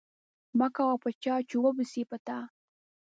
مکوه په چاه چې و به سي په تا.